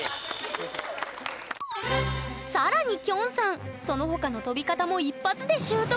更にきょんさんその他の跳び方も一発で習得！